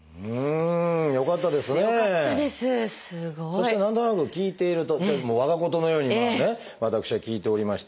そして何となく聞いていると我が事のように私は聞いておりまして。